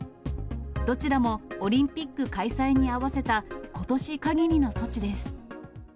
どちらもオリンピック開催に合わせた、ことし限りの措置です。